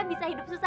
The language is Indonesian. bisa hidup sesama